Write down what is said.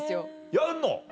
やんの？